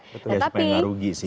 supaya tidak rugi sih